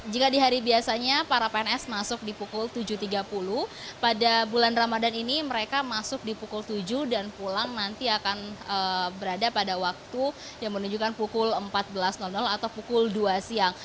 jika di hari biasanya para pns masuk di pukul tujuh tiga puluh pada bulan ramadan ini mereka masuk di pukul tujuh dan pulang nanti akan berada pada waktu yang menunjukkan pukul empat belas atau pukul dua siang